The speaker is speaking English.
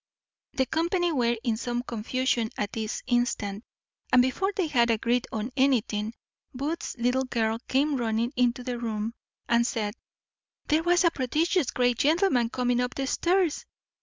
The company were in some confusion at this instant, and before they had agreed on anything, Booth's little girl came running into the room, and said, "There was a prodigious great gentleman coming up stairs."